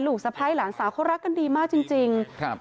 สะพ้ายหลานสาวเขารักกันดีมากจริงจริงครับ